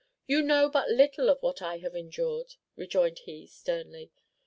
"You know but little of what I have endured," rejoined he, sternly.